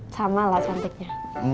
sama lah cantiknya